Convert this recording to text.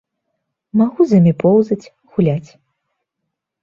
Магу з імі поўзаць, гуляць.